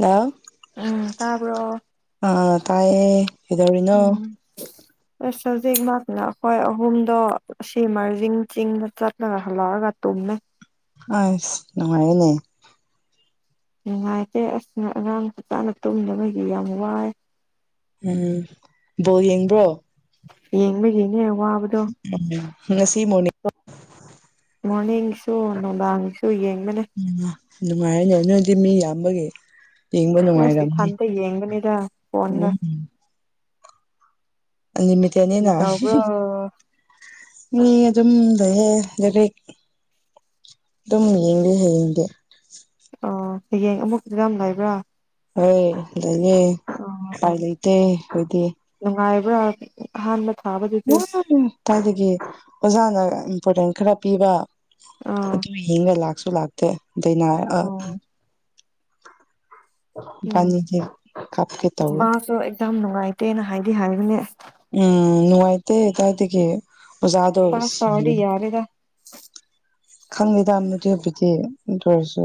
ꯂꯣ ꯎꯝ ꯇꯥꯕ꯭ꯔꯣ ꯑ ꯇꯥꯏꯌꯦ ꯀꯩꯗꯧꯔꯤꯅꯣ ꯎꯝ [inaudible] ꯑꯁ ꯍꯧꯖꯤꯛ ꯃꯛꯅ ꯑꯈꯣꯏ ꯑꯍꯨꯝꯗꯣ ꯁꯤ ꯃꯔꯤꯡ ꯆꯤꯡꯗ ꯆꯠꯂꯒ ꯍꯜꯂꯛꯑꯒ ꯇꯨꯝꯃꯦ ꯑꯁ ꯅꯨꯡꯉꯥꯏꯌꯦꯅꯦ ꯅꯨꯡꯉꯥꯏꯇꯦ ꯑꯁ ꯉꯥꯔꯥꯡ ꯐꯖꯅ ꯇꯨꯝꯗꯕꯗꯤ ꯌꯥꯝ ꯋꯥꯏ ꯎꯝ ꯕꯣꯜ ꯌꯦꯡꯕ꯭ꯔꯣ ꯌꯦꯡꯕꯒꯤꯅꯦ ꯋꯥ ꯎꯝ ꯉꯁꯤ ꯃꯣꯅꯤ ꯃꯣꯔꯅꯤꯡꯒꯤꯁꯨ ꯅꯨꯡꯗꯥꯡꯒꯤꯁꯨ ꯌꯦꯡꯕꯅꯦ ꯅꯨꯡꯉꯥꯏꯌꯦꯅꯦ ꯅꯣꯏꯗꯤ ꯃꯤ ꯌꯥꯝꯕꯒꯤ ꯌꯦꯡꯕ ꯑꯁ ꯅꯨꯡꯉꯥꯏꯔꯝꯅꯤ ꯏꯊꯟꯇ ꯌꯦꯡꯕꯅꯤꯗ ꯐꯣꯟꯗ ꯎꯝ ꯀꯔꯤ ꯑꯟꯂꯤꯃꯤꯇꯦꯠꯅꯤꯅ ꯇꯧꯕ꯭ꯔꯣ ꯃꯤ ꯑꯗꯨꯝ ꯂꯩ ꯂꯔꯤꯛ ꯇꯨꯝ ꯌꯦꯡꯅꯤ ꯍꯌꯦꯡꯗꯤ ꯑꯣ ꯍꯌꯦꯡ ꯑꯃꯨꯛ ꯗꯔꯝ ꯂꯩꯕ꯭ꯔꯥ ꯍꯣꯏ ꯂꯩꯌꯦ ꯑꯣ ꯄꯥꯏ ꯑꯣ ꯂꯩꯇꯦ ꯈꯣꯏꯗꯤ ꯅꯨꯡꯉꯥꯏꯕ꯭ꯔꯥ ꯑꯍꯥꯟꯕ ꯊꯥꯕꯗꯨ ꯀꯥꯏꯗꯒꯤ ꯑꯣꯖꯥꯅ ꯏꯝꯄꯣꯔꯇꯦꯟ ꯈꯔ ꯄꯤꯕ ꯑꯥ ꯑꯗꯨ ꯌꯦꯡꯉ ꯂꯥꯛꯁꯨ ꯂꯥꯛꯇꯦ ꯗꯩꯅꯥ ꯑꯥ ꯑꯣ ꯎꯝ ꯕꯥꯅꯤꯖꯦ ꯈꯥꯞꯀꯦ ꯇꯧꯏ ꯌꯥꯝ ꯅꯨꯡꯉꯥꯏꯇꯦꯅ ꯍꯥꯏꯗꯤ ꯍꯥꯏꯕꯅꯦ ꯎꯝ ꯅꯨꯡꯉꯥꯏꯇꯦ ꯀꯥꯢꯗꯒꯤ ꯑꯣꯖꯥꯗꯣ ꯄꯥꯁ ꯇꯧꯔꯗꯤ ꯌꯥꯔꯦꯗ ꯈꯪꯉꯦꯗ ꯃꯗꯨꯕꯨꯗꯤ ꯑꯗꯨ ꯑꯣꯏꯔꯁꯨ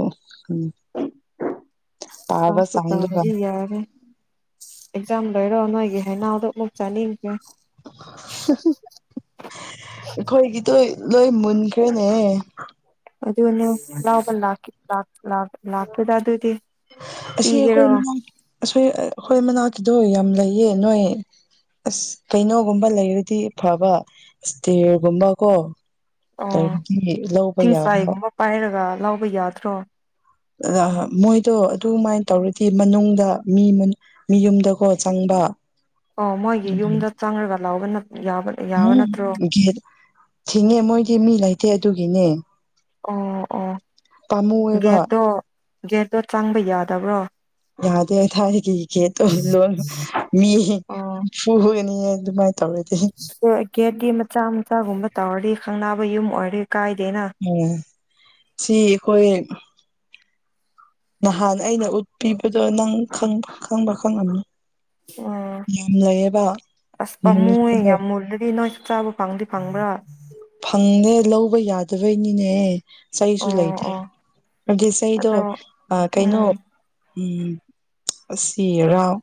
ꯄꯥꯕ ꯄꯥꯁ ꯄꯨ ꯆꯥꯡꯗꯨꯒ ꯇꯧꯔꯥꯗꯤ ꯌꯥꯔꯦ ꯑꯦꯛꯖꯥꯝ ꯂꯣꯏꯔꯣ ꯅꯣꯏꯒꯤ ꯍꯥꯏꯅꯥꯎꯗꯨ ꯑꯃꯨꯛ ꯆꯥꯅꯤꯡꯈꯔꯦ ꯑꯩꯈꯣꯏꯒꯤꯗꯣ ꯂꯣꯏ ꯃꯨꯟꯈ꯭ꯔꯦꯅꯦ ꯑꯗꯨꯅꯦ ꯂꯥꯎꯕ ꯂꯥꯛꯈꯤ ꯂꯥꯛ ꯂꯥꯛ ꯂꯥꯛꯀꯦꯗ ꯑꯗꯨꯗꯤ ꯄꯤꯒꯦꯔꯣ ꯑꯁꯤ ꯑꯈꯣꯏ ꯃꯅꯥꯛꯀꯤꯗꯣ ꯌꯥꯝ ꯂꯩꯌꯦ ꯅꯣꯏ ꯑꯁ ꯀꯩꯅꯣꯒꯨꯝꯕ ꯂꯩꯔꯗꯤ ꯐꯕ ꯏꯁꯇꯤꯔꯒꯨꯝꯕ ꯀꯣ ꯑꯣ ꯂꯩꯔꯗꯤ ꯂꯧꯕ ꯌꯥꯕ ꯊꯤꯡꯆꯥꯏꯒꯨꯝꯕ ꯄꯥꯏꯔꯒ ꯂꯥꯎꯕ ꯌꯥꯗ꯭ꯔꯣ ꯑ ꯃꯣꯏꯗꯣ ꯑꯗꯨꯃꯥꯏꯅ ꯇꯧꯔꯗꯤ ꯃꯅꯨꯡꯗ ꯃꯤ ꯃꯤ ꯌꯨꯝꯗꯀꯣ ꯆꯪꯕ ꯑꯣ ꯃꯣꯏꯒꯤ ꯌꯨꯝꯗ ꯆꯪꯔꯒ ꯂꯧꯕ ꯅꯠ ꯌꯥꯕ ꯅꯠ ꯎꯝ ꯒꯦꯠ ꯊꯤꯡꯉꯦ ꯃꯣꯏꯗꯤ ꯃꯤ ꯂꯩꯇꯦ ꯑꯗꯨꯒꯤꯅꯦ ꯑꯣ ꯑꯣ ꯄꯥꯝꯃꯨꯑꯦꯕ ꯒꯦꯠꯇꯣ ꯒꯦꯠꯇꯣ ꯆꯪꯕ ꯌꯥꯗꯕ꯭ꯔꯣ ꯌꯥꯗꯦ ꯊꯥꯏꯔꯒꯤ ꯒꯦꯠꯇꯣ ꯂꯣꯟ ꯃꯤ ꯑꯣ ꯐꯨꯅꯤ ꯑꯗꯨꯃꯥꯏꯅ ꯇꯧꯔꯗꯤ ꯒꯦꯠꯗꯤ ꯃꯆꯥ ꯃꯆꯥꯒꯨꯝꯕ ꯇꯧꯔꯗꯤ ꯈꯪꯅꯥꯕ ꯌꯨꯝ ꯑꯣꯏꯔꯗꯤ ꯀꯥꯏꯗꯦꯅ ꯑꯣꯝ ꯁꯤ ꯑꯩꯈꯣꯏ ꯅꯍꯥꯟ ꯑꯩꯅ ꯎꯠꯄꯤꯕꯗꯣ ꯅꯪ ꯈꯪꯕ ꯈꯪꯉꯝꯅꯤ ꯎꯝ ꯌꯥꯝ ꯂꯩꯌꯦꯕ ꯑꯁ ꯄꯃꯨꯋꯦ ꯃꯨꯟꯈ꯭ꯔꯦꯅꯦ ꯌꯥꯝ ꯃꯨꯜꯂꯗꯤ ꯅꯣꯢꯁꯨ ꯆꯥꯕ ꯐꯪꯗꯤ ꯐꯪꯕ꯭ꯔꯥ ꯐꯪꯗ‌ꯦ ꯂꯧꯕ ꯌꯥꯗꯕꯩꯅꯤꯅꯦ ꯑꯣ ꯆꯩꯁꯨ ꯂꯩꯇꯦ ꯑꯣ ꯑꯗꯨꯗꯤ ꯆꯩꯗꯣ ꯑꯗꯣ ꯀꯩꯅꯣ ꯎꯝ ꯎꯝ ꯑꯁꯤꯔꯥꯎ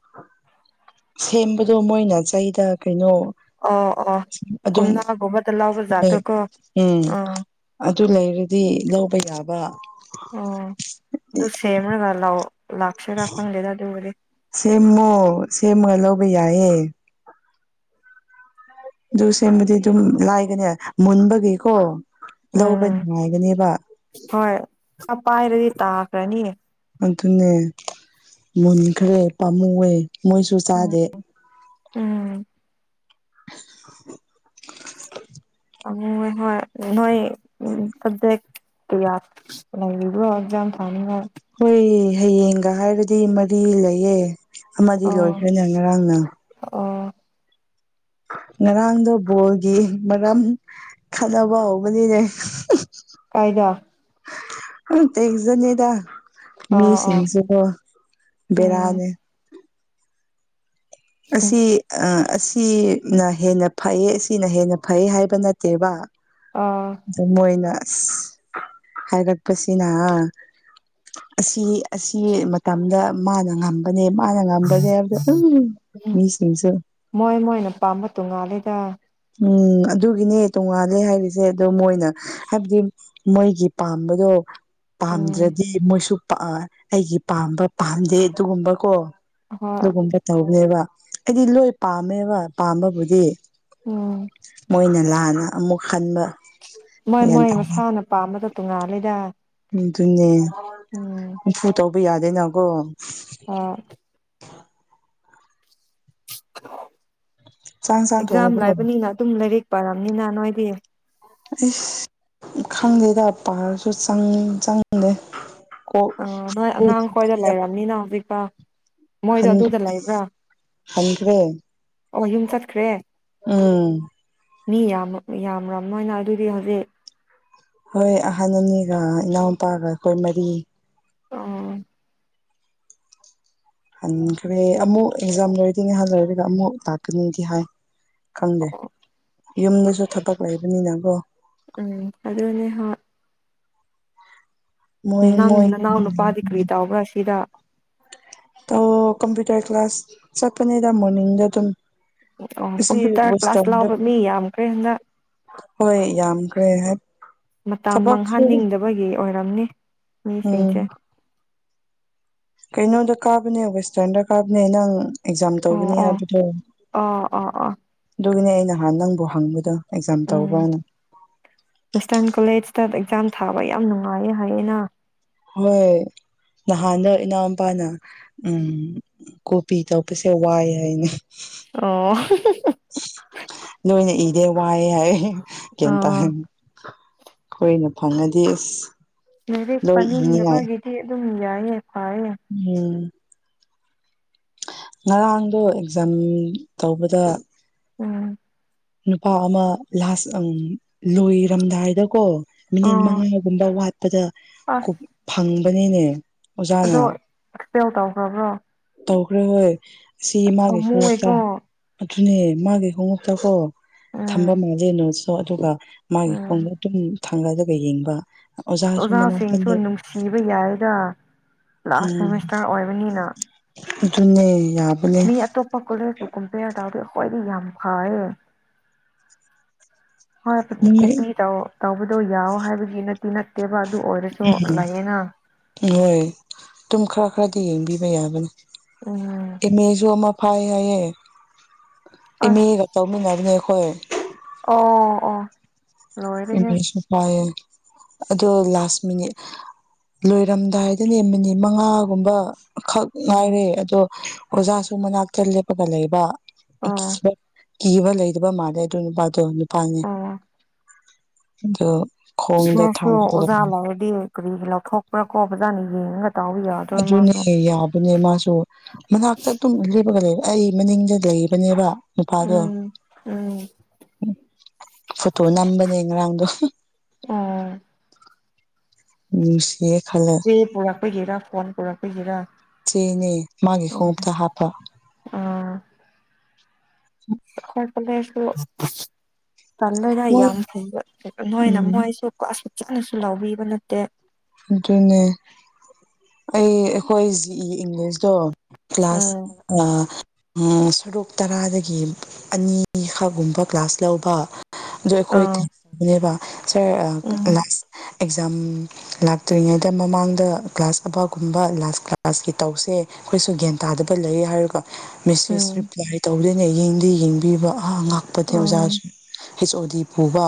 ꯁꯦꯝꯕꯗꯣ ꯃꯣꯏꯅ ꯆꯩꯗ ꯀꯩꯅꯣ ꯑꯣ ꯑꯣ ꯀꯨꯝꯅꯒꯨꯝꯕ ꯍꯣꯏ ꯎꯝ ꯑꯗꯨ ꯂꯩꯔꯗꯤ ꯂꯧꯕ ꯌꯥꯕ ꯎꯝ ꯑꯗꯨ ꯁꯦꯝꯒ ꯂꯧ ꯂꯛꯁꯤꯔ ꯈꯪꯗ‌ꯦꯗ ꯑꯗꯨꯕꯨꯗꯤ ꯁꯦꯝꯃꯣ ꯁꯦꯝꯃꯒ ꯂꯧꯕ ꯌꯥꯏꯌꯦ ꯑꯗꯨ ꯁꯦꯝꯕꯗꯤ ꯑꯗꯨꯝ ꯂꯥꯏꯕꯅꯦ ꯃꯨꯟꯕꯒꯤꯀꯣ ꯎꯝ ꯂꯧꯕꯅꯨꯉꯥꯏꯒꯅꯦꯕ ꯍꯣꯏ ꯑꯄꯥꯏꯔꯗꯤ ꯇꯥꯈ꯭ꯔꯅꯤ ꯑꯗꯨꯅꯦ ꯃꯨꯟꯈ꯭ꯔꯦ ꯄꯥꯝꯃꯨꯑꯋ‌ꯦ ꯃꯣꯏꯁꯨ ꯎꯝ ꯆꯥꯗꯦ ꯎꯝ [unintelligible] ꯄꯃꯨꯋꯦ ꯍꯣꯏ ꯅꯣꯏ ꯁꯖꯦ [unintelligible] ꯌꯥ ꯏ [unintelligible] ꯑꯣꯏꯖ ꯊꯝ ꯍꯣꯏ ꯍꯌꯦꯡꯒ ꯍꯥꯏꯔꯗꯤ ꯃꯔꯤ ꯂꯩꯌꯦ ꯑꯃꯗꯤ ꯑꯣ ꯂꯣꯏꯈ꯭ꯔꯦꯅ ꯉꯔꯥꯡꯅ ꯑꯣ ꯉꯔꯥꯡꯗꫭ ꯕꯣꯜꯒꯤ ꯃꯔꯝ ꯈꯠꯅꯕ ꯍꯧꯕꯅꯤꯅꯦ ꯀꯥꯏꯗꯥ ꯎ ꯇꯦꯛꯖꯅꯗ [unintelligible] ꯑꯣ ꯑꯣ ꯃꯤꯁꯤꯡꯁꯨ ꯎꯝ ꯕ‌ꯦꯔꯅꯤ ꯑꯁꯤ ꯑ ꯑꯁꯤ ꯁꯤꯅ ꯍꯦꯟꯅ ꯐꯩꯌ‌ꯦ ꯁꯤꯅ ꯍꯦꯟꯅ ꯐꯩꯌ‌ꯦ ꯍꯥꯏꯕ ꯅꯠꯇꯦꯕ ꯑꯥ ꯑꯗꯨ ꯃꯣꯏꯅ ꯑꯁ ꯍꯥꯏꯒꯠꯄꯁꯤꯅꯍꯥ ꯑꯁꯤ ꯑꯁꯤ ꯃꯇꯝꯗ ꯃꯥꯅ ꯉꯝ ꯕꯅꯦ ꯃꯥꯅ ꯉꯝꯕꯅ‌ꯦ ꯍꯥꯏꯕꯗ ꯎꯝ ꯃꯤꯁꯤꯡꯁ‌ꯦ ꯃꯣꯏ ꯃꯣꯏꯅ ꯄꯥꯝꯕ ꯇꯣꯡꯉꯥꯜꯂꯤꯗ ꯎꯝ ꯑꯗꯨꯒꯤꯅꯦ ꯇꯣꯡꯉꯥꯜꯂꯦ ꯍꯥꯏꯔꯤꯁꯦ ꯑꯗꯣ ꯃꯣꯏꯅ ꯍꯥꯏꯕꯗꯤ ꯃꯣꯏꯒꯤ ꯄꯥꯝꯕꯗꯣ ꯎꯝ ꯄꯥꯝꯗ꯭ꯔꯗꯤ ꯃꯣꯏꯁꯨ ꯑꯩꯒꯤ ꯄꯥꯝꯕ ꯄꯥꯝꯗꯦ ꯑꯗꯨꯒꯨꯝꯕ ꯀꯣ ꯍꯣꯏ ꯑꯗꯨꯒꯨꯝꯕ ꯇꯧꯕꯅꯦꯕ ꯑꯩꯗꯤ ꯂꯣꯏ ꯄꯥꯝꯃꯦꯕ ꯄꯥꯝꯕꯕꯨꯗꯤ ꯎꯝ ꯃꯣꯏꯅ ꯂꯥꯟꯅ ꯑꯃꯨꯛ ꯈꯟꯕ ꯃꯣꯏ ꯒ꯭ꯌꯥꯟ ꯃꯣꯏ ꯇꯥ ꯃꯁꯥꯅ ꯄꯥꯝꯕꯗꯨ ꯇꯣꯉꯥꯜꯂꯤꯗ ꯑꯗꯨꯅꯦ ꯅꯝꯐꯨ ꯇꯧꯕ ꯌꯥꯗꯦꯅꯀꯣ ꯍꫭꯏ ꯆꯥꯛ ꯏꯟꯁꯥꯡ ꯑꯦꯛꯖꯥꯝ ꯊꯣꯡꯉꯕꯣ ꯂꯥꯏꯕꯅꯤꯅ ꯑꯗꯨꯝ ꯂꯥꯏꯔꯛ ꯄꯥꯔꯝꯅꯤꯅ ꯅꯣꯏꯗꯤ ꯏꯁ ꯈꯪꯗꯦꯗ ꯄꯥꯔꯁꯨ ꯆꯪ ꯆꯪꯗꯦ ꯀꯣꯛ ꯑ ꯅꯣꯏ ꯑꯉꯥꯡꯈ꯭ꯣꯏꯗ ꯂꯩꯔꯕꯅꯤꯅ ꯍꯧꯖꯤꯛꯄꯥꯎ ꯃꯣꯏꯗꯣ ꯍꯟ ꯑꯗꯨꯗ ꯂꯩꯕ꯭ꯔꯥ ꯍꯟꯈ꯭ꯔꯦ ꯑꯣ ꯌꯨꯝ ꯆꯠꯈ꯭ꯔꯦ ꯎꯝ ꯃꯤ ꯌꯥꯝ ꯌꯥꯝ꯭ꯔꯕꯅꯤꯅ [unintelligible] ꯑꯗꯨꯗꯤ ꯍꯧꯖꯤꯛ ꯍꯣꯏ ꯑꯍꯟ ꯑꯅꯤꯒ ꯏꯅꯥꯎꯄꯥꯒ ꯑꯩꯈꯣꯏ ꯃꯔꯤ ꯑꯣ ꯍꯟꯈ꯭ꯔꯦ ꯑꯃꯨꯛ ꯑꯦꯛꯖꯥꯝ ꯂꫭꯏꯔꯗꯤ ꯉꯍꯥꯛ ꯂꯩꯏꯔꯒ ꯑꯃꯨꯛ ꯂꯥꯛꯀꯅꯤꯗꯤ ꯍꯥꯏ ꯈꯪꯗꯦ ꯌꯨꯝꯗꯁꯨ ꯊꯕꯛ ꯂꯩꯕꯅꯤꯅꯀꯣ ꯎꯝ ꯑꯗꯨꯅꯦ ꯍꫭꯏ ꯃꯣꯏ ꯅꯪ ꯃꯣꯏ ꯅꯅꯥꯎ ꯅꯨꯄꯥꯗꯤ ꯀꯔꯤ ꯇꯧꯕ꯭ꯔꯥ ꯁꯤꯗ ꯑꫭ ꯀꯝꯄ꯭ꯌꯨꯇꯔ ꯀ꯭ꯂꯥꯁ ꯆꯠꯄꯅꯦꯗ ꯃꯣꯔꯅꯤꯡꯗ ꯑꯗꯨꯝ ꯑꯣ ꯑꯁꯤ ꯀꯝꯄꯌꯨꯇꯔ ꯀ꯭ꯂꯥꯁ ꯋꯦꯁꯇꯔꯟꯗ ꯂꯥꯎꯕ ꯃꯤ ꯌꯥꯝꯈ꯭ꯔꯦ ꯍꯅ ꯍꯣꯏ ꯌꯥꯝꯈ꯭ꯔꯦ ꯍꯥꯏ ꯊꯕꯛꯁꯨ ꯑꯩꯈꯣꯏꯒꯤ ꯑꯣꯏꯔꯝꯅꯤ ꯃꯤꯁꯤꯡꯁꯦ ꯎꯝ ꯀꯩꯅꯣꯗ ꯀꯥꯕꯅꯦ ꯋꯦꯁꯇꯔꯟꯗ ꯀꯥꯕꯅꯦ ꯅꯪ ꯑꯦꯛꯖꯥꯝ ꯑꯣ ꯇꯧꯒꯅꯤ ꯑꯣ ꯍꯥꯏꯕꯗꯣ ꯑꯣ ꯑꯣ ꯑꯣ ꯑꯗꯨꯒꯤꯅꯦ ꯑ ꯅꯍꯥꯟ ꯅꯪꯕꯨ ꯍꯪꯕꯗꯣ ꯑꯦꯛꯖꯥꯝ ꯎꯝ ꯇꯧꯕꯅ ꯋꯦꯁꯇꯔꯟ ꯀꯣꯂꯦꯖꯇ ꯑꯦꯛꯖꯥꯝ ꯊꯥꯕ ꯌꯥꯝ ꯅꯨꯡꯉꯥꯏꯌꯦ ꯍꯥꯏꯌꯦꯅ ꯍꯣꯏ ꯅꯍꯥꯟꯗ ꯏꯅꯥꯎꯄꯥꯅ ꯎꯝ ꯀꯣꯕꯤ ꯇꯧꯕꯄꯁꯦ ꯋꯥꯏ ꯍꯥꯏꯅꯦ ꯑꯣ ꯅꯣꯏꯣꯏꯅꯦ ꯏꯗ ꯋꯥꯌꯦ ꯍꯥꯏ ꯀꯇ ꯑꯥ ꯑꯩꯈꯣꯏꯅ ꯐꯪꯉꯗꯤ ꯑꯁ ꯉꯗꯤꯦꯛ ꯂꯣꯏ ꯏꯅꯤꯉꯥꯏ ꯄꯥꯅꯤꯡꯗꯕꯒꯤꯗꯤ ꯑꯗꯨꯝ ꯌꯥꯏꯌꯦ ꯐꯥꯏꯌꯦ ꯎꯝ ꯉꯔꯥꯡꯗꯣ ꯑꯦꯛꯖꯥꯝ ꯇꯧꯕꯗ ꯎꯝ ꯅꯨꯄꯥ ꯑꯃ ꯂꯥꯁ ꯂꯣꯏꯔꯝꯗꯥꯏꯗꯀꯣ ꯃꯤꯅꯤꯠ ꯑꯥ ꯃꯉꯥꯒꯨꯝꯕ ꯋꯥꯠꯄꯗ ꯑꯁ ꯐꯪꯕꯅꯤꯅꯦ ꯑꯣꯖꯥꯅ ꯑꯗꯣ ꯑꯦꯛꯁꯄꯦꯜ ꯇꯧꯈ꯭ꯔꯕ꯭ꯔꯣ ꯇꯧꯈ꯭ꯔꯦ ꯍꯣꯏ ꯑꯁꯤ ꯏꯃꯥꯒꯤ ꯈꯣꯡꯉꯠꯇ ꯄꯥꯝꯃꯨꯌꯦꯀꯣ ꯑꯗꯨꯅꯦ ꯃꯥꯒꯤ ꯈꯣꯡꯉꯞꯇ ꯀꯣ ꯊꯝꯕ ꯎꯝ ꯃꯥꯜꯂꯦꯅꯣꯁꯨ ꯑꯗꯨꯒ ꯃꯥꯒꯤ ꯎꯝ ꯈꯣꯡꯗ ꯑꯗꯨꯝ ꯊꯥꯡꯒꯠꯂꯒ ꯌꯦꯡꯕ ꯑꯣꯖꯥꯁꯨ ꯃꯅꯥꯛꯇ ꯑꯣꯖꯥꯁꯤꯡꯁꯨ ꯂꯦꯞ ꯅꯨꯡꯁꯤꯕ ꯌꯥꯏꯔ ꯂꯥꯁ ꯎꯝ ꯁꯦꯃꯤꯁꯇꯔ ꯑꯣꯏꯕꯅꯤꯅ ꯑꯗꯨꯅꯦ ꯌꯥꯕꯅꯦ ꯃꯤ ꯑꯇꯣꯞꯄ ꯀꯣꯂꯦꯖꯇꯨ ꯀꯝꯄꯦꯌꯔ ꯇꯧꯔꯗꯤ ꯑꯩ꯭ꯋꯥꯏꯗꯤ ꯌꯥꯝ ꯐꯩꯌꯦ ꯍꯣꯏ ꯃꯤ ꯀꯣꯄꯤ ꯇꯧꯕꯗꯣ ꯌꯥꯎ ꯍꯥꯏꯕꯒꯤ ꯅꯠꯇꯤ ꯅꯠꯇꯦꯕ ꯑꯗꯨ ꯑꯣꯏꯔꯁꯨ ꯂꯩꯌꯦꯅ ꯍꯣꯏ ꯑꯗꯨꯝ ꯈꯔ ꯈꯔꯗꯤ ꯌꯦꯡꯕꯤꯕ ꯌꯥꯕꯅꯤ ꯎꯝ ꯑꯦꯝ ꯑꯦꯁꯨ ꯑꯃ ꯐꯥꯏ ꯍꯥꯏꯌꯦ ꯑꯦꯝ ꯑꯦꯒ ꯑꯁ ꯇꯧꯃꯤꯟꯅꯕꯅꯦ ꯑꯩꯈꯣꯏ ꯑꯣ ꯑꯣ ꯂꯣꯏꯔꯦꯍꯦ ꯏꯃꯦꯁꯨ ꯐꯥꯏꯌꯦꯦ ꯑꯗꯣ ꯂꯥꯁ ꯃꯤꯅꯤꯠ ꯂꯣꯏꯔꯝꯗꯥꯏꯗꯅꯦ ꯃꯤꯅꯤꯠ ꯃꯉꯥꯒꯨꯝꯕ ꯈꯛ ꯎꯝ ꯉꯥꯏꯔꯦ ꯑꯗꯣ ꯑꯣꯖꯥꯁꯨ ꯃꯅꯥꯛꯇ ꯂꯦꯞꯄꯒ ꯂꯩꯕ ꯑꯣ ꯀꯤꯕ ꯀꯤꯕ ꯂꯩꯗꯕ ꯃꯥꯜꯂꯦ ꯑꯗꯨ ꯅꯨꯄꯥꯗꯣ ꯅꯨꯄꯥꯅꯦ ꯑꯣ ꯑꯗꯣ ꯈꯣꯡꯗ ꯁ ꯁꯣ ꯊꯥꯡꯒꯠꯂꯒ ꯑꯣꯖꯥ ꯂꯥꯛꯑꯣ ꯗ ꯀꯔꯤꯒꯤ ꯂꯊ ꯊꯣꯛꯄ꯭ꯔ ꯀꯣꯕꯖꯥꯅꯤ ꯌꯦꯡꯉ ꯑꯗꯨꯅꯦ ꯌꯥꯕꯅꯦ ꯃꯥꯁꯨ ꯃꯅꯥꯛꯇ ꯑꯗꯨꯝ ꯂꯦꯕꯒ ꯂꯩ ꯑꯩ ꯃꯅꯤꯡꯗ ꯂꯩꯔꯤꯕꯕꯅꯦꯕ ꯅꯨꯄꯥꯗꯣ ꯎꯝ ꯎꯝ ꯐꯇꯣ ꯅꯝꯕꯅꯤ ꯌꯦ꯭ꯔꯣ ꯑꯣ ꯎꯝ ꯁꯤ ꯈꯜꯂ ꯀ ꯄꯨꯔꯛꯄꯒꯦꯔꯥ ꯐꯣꯟ ꯄꯨꯔꯛꯄꯒꯦꯔꯥ ꯆꯦꯅꯦ ꯃꯥꯒꯤ ꯈꯣꯡꯎꯞꯇ ꯍꯥꯞꯄ ꯑ ꯎꯝ ꯑꯩꯈꯣꯏ ꯀꯂꯁꯨ ꯇꯜꯂꯒ ꯃꯣꯏ ꯌꯥꯝ ꯐꯩꯕ ꯅꯣꯏꯅ ꯎꯝ ꯃꯣꯏꯁꯨ ꯀꯣꯁꯨ ꯆꯥꯅꯁꯨ ꯂꯧꯕꯕꯤꯕ ꯅꯠꯇꯦ ꯑꯗꯨꯅꯦ ꯑꯩ ꯑꯩꯈꯣꯏ ꯖꯤꯛꯏ ꯏꯪꯂꯤꯁꯇꯣ ꯀ꯭ꯂꯥꯁ ꯎꯝ ꯁꯔꯨꯛ ꯇꯔꯥꯗꯒꯤ ꯑꯅꯤꯈꯒꯨꯝꯕ ꯀ꯭ꯂꯒ꯭ꯂꯥꯁ ꯂꯧꯕ ꯑꯗ ꯑꯩꯈꯣꯏ ꯑꯥ ꯇꯧꯕꯅꯦꯕ ꯁꯥꯔ ꯎꯝ ꯂꯥꯁ ꯑꯦꯛꯖꯥꯝ ꯂꯥꯛꯇ꯭ꯔꯤꯉꯩꯗ ꯃꯃꯥꯡꯗ ꯀ꯭ꯂꯥꯁ ꯑꯕꯥꯒꯨꯝꯕ ꯂꯥꯁ ꯀ꯭ꯂꯥꯁꯀꯤ ꯇꯧꯁꯦ꯫ ꯑꯩꯈꯣꯏꯁꯨ ꯒ꯭ꯌꯥꯟ ꯇꯥꯗꯕ ꯂꯩ ꯍꯥꯏꯔꯒ ꯃꯦꯁꯦꯁ ꯎꯝ ꯔꯤꯄ꯭ꯂꯥꯏ ꯇꯧꯗꯣꯏꯅꯦ ꯌꯦꯡꯗꯦ ꯌꯦꯡꯕꯤꯕ꯫ ꯑ ꯉꯥꯛꯄꯅꯦ ꯎꯝ ꯑꯣꯖꯥꯁꯨ ꯍꯁ ꯑꯣ ꯗꯤ ꯄꯨꯕ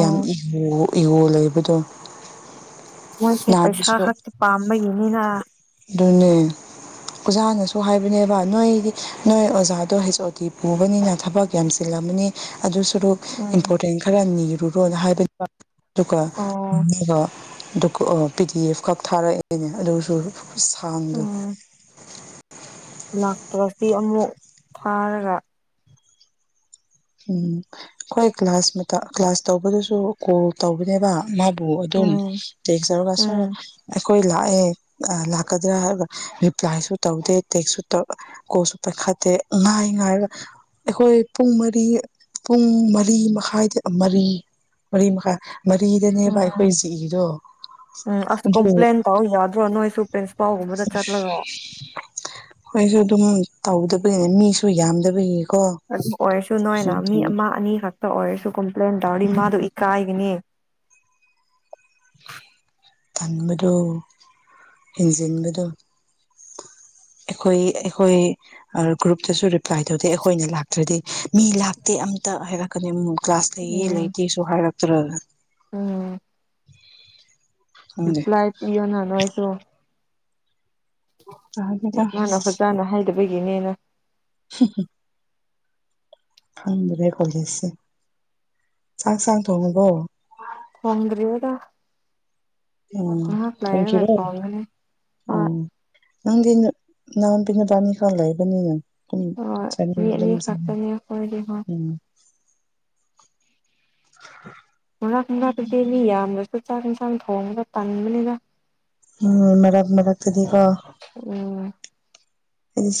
ꯌꯥꯝ ꯏꯍ ꯏꯌꯣ ꯂꯩꯕꯗꯣ ꯃꯣꯏꯁꯦ ꯄꯩꯁꯥ ꯅꯍꯥꯟꯒꯤꯁꯨ ꯈꯛꯇꯤ ꯄꯥꯝꯕꯒꯤꯅꯤꯅ ꯑꯗꯨꯅꯦ꯫ ꯑꯣꯖꯥꯅꯁꯨ ꯍꯥꯏꯕꯅꯦꯕ ꯅꯣꯏꯗꯤ ꯅꯣꯏ ꯑꯣꯖꯥꯗꯣ ꯍꯩꯁ ꯑꯣ ꯇꯤ ꯄꯨꯕꯅꯤꯅ ꯊꯕꯛ ꯌꯥꯝꯆꯜꯂꯝꯃꯅꯤ ꯑꯗꯨ ꯁꯥꯔꯨꯛ ꯎꯝ ꯏꯝꯄꯣꯔꯇꯦꯟ ꯈꯔ ꯅꯤꯔꯨꯔꯣꯅ ꯍꯥꯏꯕꯗꯨ ꯑꯗꯨꯒ ꯑꯣ ꯍꯪꯅꯕ ꯄꯤ ꯗꯤ ꯑꯦꯐ ꯈꯛ ꯊꯥꯔꯛꯑꯦꯅꯦ ꯑꯗꯨꯁꯨ ꯁꯥꯡꯗꯣ ꯎꯝ ꯂꯥꯛꯇ꯭ꯔꯗꯤ ꯑꯃꯨꯛ ꯊꯥꯔꯒ ꯎꯝ ꯑꯩꯈꯣꯏ ꯀ꯭ꯂꯥꯁ ꯀ꯭ꯂꯥꯁ ꯇꯧꯕꯗꯨꯁꯨ ꯀꯣꯜ ꯇꯧꯕꯅꯦꯕ ꯃꯥꯕꯨ ꯑꯗꯨꯝ ꯎꯝ ꯌꯦꯖꯔꯒ ꯁꯥꯔ ꯎꯝ ꯑꯩꯈꯣꯏ ꯂꯥꯛꯑꯦ ꯂꯥꯛꯀꯗ꯭ꯔꯥ ꯍꯥꯏꯒ ꯔꯤꯄ꯭ꯂꯥꯏꯁꯨ ꯇꯧꯗꯦ ꯇꯦꯛꯁꯁꯨ ꯀꯣꯁꯨ ꯄꯩꯈꯥꯠꯇꯦ ꯉꯥꯏ ꯉꯥꯏꯔꯒ ꯑꯩꯈꯣꯏ ꯄꯨꯡ ꯃꯔꯤ ꯄꯨꯡ ꯃꯔꯤ ꯃꯈꯥꯏꯗ ꯃꯔꯤ ꯃꯔꯤ ꯃꯈꯥꯏ꯫ ꯃꯔꯤꯗꯅꯦꯕ ꯎꯝ ꯑꯩꯈꯣꯏ ꯖꯤꯛꯏꯗꯣ ꯑꯗꯨ ꯑꯧ ꯌꯥꯗ꯭ꯔꯣ ꯅꯣꯏꯁꯨ ꯄ꯭ꯔꯦꯟꯁꯄꯥꯎꯒꯨꯝꯕꯗ ꯆꯠꯂꯒꯣ꯫ ꯑꯩꯣꯏꯁꯨ ꯑꯗꯨꯝ ꯇꯧꯗꯕꯒꯤꯅꯦ ꯃꯤꯁꯨ ꯌꯥꯝꯗꯕꯒꯤꯀꯣ ꯑꯗꯨ ꯑꯣꯏꯔꯁꯨ ꯅꯣꯏꯅ ꯃꯤ ꯑꯃ ꯑꯅꯤ ꯈꯛꯇ ꯑꯣꯏꯔꯁꯨ ꯀꯝꯄ꯭ꯂꯦꯟ ꯇꯧꯔꯗꯤ ꯃꯥꯗꯣ ꯏꯀꯥꯏꯒꯅꯤ꯫ ꯇꯟꯕꯗꯣ ꯍꯦꯟꯖꯤꯟꯕꯗꯣ꯫ ꯑꯩꯈꯣꯏ ꯑꯩꯈꯣꯏ ꯒ꯭ꯔꯨꯞꯇꯁꯨ ꯔꯤꯄ꯭ꯂꯥꯏ ꯇꯧꯗꯦ ꯑꯩꯈꯣꯏꯅ ꯂꯥꯛꯇ꯭ꯔꯗꯤ꯫ ꯃꯤ ꯂꯥꯛꯇꯦ ꯑꯃꯝꯇ ꯍꯥꯏꯔꯛꯀꯅꯤ ꯑꯃꯨꯛ ꯀ꯭ꯂꯥꯁ ꯂꯩꯌꯦꯦ ꯎꯝ ꯂꯩꯇꯦꯁꯨ ꯍꯥꯏꯔꯛꯇ꯭ꯔꯒ ꯎꯝ ꯈꯪꯗꯦ ꯔꯤꯄ꯭ꯂꯥꯏ ꯄꯤꯌꯨꯅ ꯅꯣꯏꯁꯨ ꯇꯥꯗꯦꯗ ꯃꯥꯅ ꯐꯖꯥꯅ ꯍꯥꯏꯗꯕꯒꯤꯅꯦꯅ꯫ [inaudible] ꯐꯪꯗ꯭ꯔꯦ ꯀꯣꯂꯦꯖꯁꯦ ꯆꯥꯛ ꯆꯥꯡ ꯊꯣꯡꯉꯨꯕꯣ꯫ ꯊꯣꯡꯗꯔ꯭ꯤꯗ ꯎꯝ ꯂꯩꯔꯒ ꯊꯁꯤꯔꯣ ꯊꯣꯡꯒꯅꯤ ꯍꯣꯏ ꯎꯝ ꯅꯪꯅ ꯅꯪꯕꯤꯅꯗꯥꯕꯥꯅꯤ ꯈ ꯂꯩꯕꯅꯤꯅꯪ꯫ ꯍꯣꯏ ꯃꯤ ꯑꯅꯤ ꯑꯗꯨꯝ ꯈꯛꯇꯅꯤ ꯑꯩꯈꯣꯏꯗꯤ ꯍꯣꯏ ꯎꯝ [inaudible] ꯃꯔꯥꯛ ꯃꯔꯥꯛ ꯇꯥꯗꯤ ꯃꯤ ꯌꯥꯝꯅꯁꯨ ꯆꯥꯛ ꯌꯦꯟꯁꯥꯡ ꯊꯣꯡꯉꯒ ꯇꯟꯕꯅꯤꯗ꯫ ꯎꯝ ꯃꯔꯛ ꯃꯔꯛ ꯇꯗꯤꯀꯣ꯫ ꯎꯝ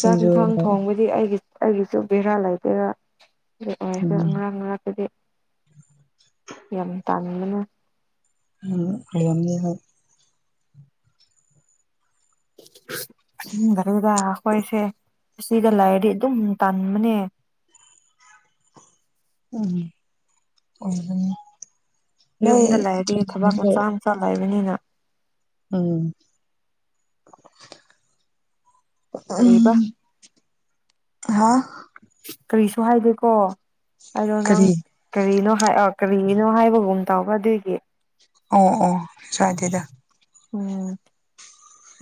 ꯆꯥꯛ ꯏꯟꯁꯪ ꯎꯝ ꯊꯣꯡꯕꯗꯤ꯫ ꯑꯩꯒꯤ ꯑꯩꯒꯤꯁꯨ ꯕꯦꯔꯥ ꯂꯩꯇꯦꯔꯥ ꯑꯣꯏꯁꯨ ꯉꯔꯥꯡ ꯉꯔꯥꯛꯀꯤꯗꯤ꯫ ꯌꯥꯝ ꯇꯥꯡꯅꯤꯡꯗꯅ꯫ ꯍꯝꯅꯤ꯫ ꯨꯝ ꯒꯥꯔꯤꯗ ꯑꯩꯈꯣꯏꯁꯦ ꯑꯁꯤꯗ ꯂꯥꯏꯔꯗꯤ ꯑꯗꯨꯝ ꯇꯥꯟꯕꯅꯦ꯫ ꯎꯝ ꯅꯣꯏ ꯆꯠꯂ ꯂꯩꯕꯅꯤꯅ ꯎꯝ ꯀꯔꯤꯕ ꯎꯝ ꯍꯥꯥ ꯀꯔꯤꯁꯨ ꯍꯥꯏꯗꯦꯀꯣ ꯑꯗꯣ ꯅꯪ ꯀꯔꯤ ꯀꯔꯤꯅꯣ ꯀꯔꯤꯅꯣ ꯍꯥꯏꯕꯒꯨꯝ ꯇꯥꯎꯕ ꯑꯗꯨꯏꯒꯤ ꯑꯣ ꯑꯣ ꯁꯋꯥꯏꯗꯦꯗ꯫ ꯎꯝ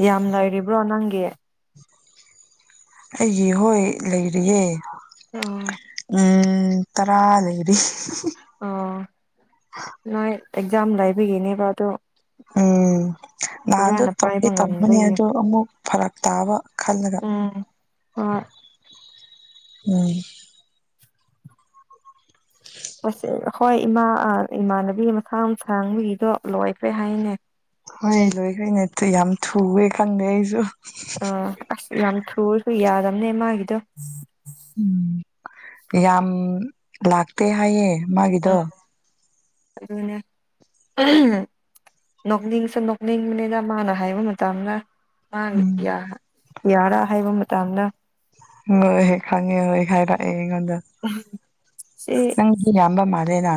ꯌꯥꯝ ꯂꯩꯔꯤꯕ꯭ꯔꯣ ꯅꯪꯒꯤ꯫ ꯑꯩꯒꯤ ꯍꯣꯏ ꯂꯩꯔꯤꯌꯦꯦ ꯎꯝ ꯇꯔꯥ ꯂꯩꯔꯤ ꯑꯣ ꯅꯣꯏ ꯑꯦꯛꯖꯥꯝ ꯂꯩꯥꯏꯕꯤꯒꯤꯅꯦꯕ ꯑꯗꯨꯣ ꯎꯝ ꯅꯍꯥꯟꯗꯣ ꯄꯥꯏꯕ ꯇꯧꯗꯤꯦ ꯇꯧꯕꯃꯅꯤ ꯉꯝꯗꯕꯒꯤ ꯑꯗ ꯑꯃꯨꯛ ꯐꯔꯛ ꯇꯥꯕ ꯈꯜꯂꯒ ꯎꯝ ꯍꯣꯏ ꯎꯝ ꯍꯣꯏ ꯏꯃꯥ ꯏꯃꯥꯟꯅꯕꯤ ꯃꯁꯥ ꯃꯁꯥꯡꯕꯒꯤꯗꯣ ꯂꯣꯏꯕ꯭ꯔꯦ ꯍꯥꯏꯅꯦ ꯍꯣꯏ ꯂꯣꯏꯈꯩ ꯅꯠꯇ ꯌꯥꯝ ꯊꯨꯑꯦ ꯈꯪꯗꯦ ꯑꯩꯁꯨ ꯑꯁ ꯌꯥꯝ ꯊꯨꯔꯁꯨ ꯌꯥꯗꯅꯦ ꯃꯥꯒꯤꯗꯣ ꯎꯝ ꯌꯥꯝ ꯂꯥꯛꯇꯦ ꯍꯥꯏꯌꯦ ꯃꯥꯒꯤꯗꯣ ꯎꯝ ꯑꯗꯨꯅꯦ ꯅꯣꯛꯅꯤꯡꯁꯦ ꯅꯣꯛꯅꯤꯡꯕꯅꯤꯅ ꯃꯥꯅ ꯍꯥꯏꯕ ꯃꯇꯝꯗ ꯎꯝ ꯃꯥꯒꯤ ꯌꯥꯔꯥ ꯍꯥꯏꯕ ꯃꯇꯝꯗ ꯍꯣꯏꯍꯣꯏ ꯈꯪꯉꯦ ꯍꯣꯏ ꯍꯥꯏꯔꯛꯑꯦ ꯑꯩꯉꯣꯟꯗ ꯁꯤ ꯌꯥꯝꯝꯕ ꯃꯥꯗꯦꯅ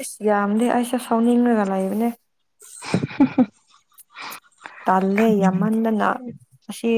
ꯑꯁ ꯌꯥꯝꯗꯤ ꯑꯩꯁꯦ ꯁꯥꯎꯅꯤꯡꯉꯒ ꯂꯥꯛꯏꯕꯅꯦ [inaudible] ꯇꯥꯜꯂꯦ ꯌꯥꯝꯃꯟꯗꯅ ꯑꯁꯤ